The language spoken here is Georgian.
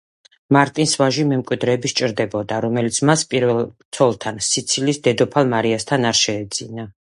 მარტინს ვაჟი მემკვიდრეები სჭირდებოდა, რომელიც მას პირველ ცოლთან, სიცილიის დედოფალ მარიასთან არ შეეძინა.